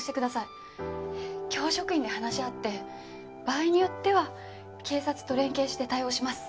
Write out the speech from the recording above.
教職員で話し合って場合によっては警察と連携して対応します。